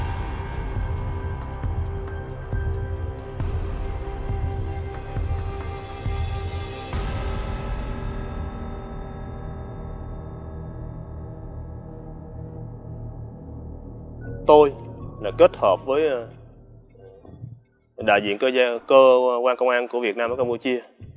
chúng tôi kết hợp với đại diện cơ quan công an của việt nam ở campuchia